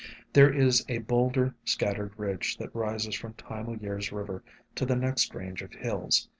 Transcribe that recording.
There is a boulder scattered ridge that rises from Time o' Year's river to the next range of hills.